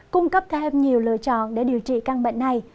cung cấp thêm nhiều lựa chọn để điều trị căn bệnh này